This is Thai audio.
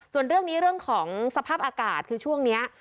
ส่วนเรื่องนี้เรื่องของสภาพอากาศคือช่วงนี้